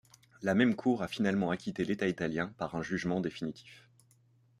La même Cour a finalement acquitté l'État italien par un jugement définitif.